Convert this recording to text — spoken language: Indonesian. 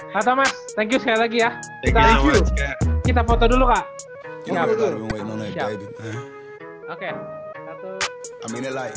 ya saya sudah melakukan sport multi di pekerjaan saya